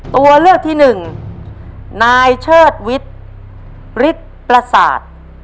ตัวเลือกที่หนึ่งนายเชิดวิทย์ฤทธิ์ประสาท